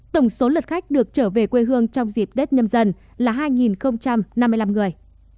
tổng số lượt khách được trở về quê hương trong dịp tết nhâm dần là hai năm mươi năm người